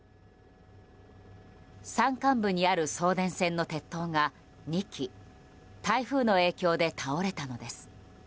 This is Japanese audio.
山間部にある送電線の鉄塔が２基台風の影響で倒れたのです。